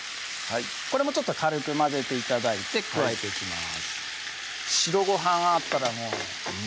これもちょっと軽く混ぜて頂いて加えていきます